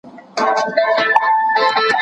خپل ځان له بې ځایه اندېښنو وساتئ.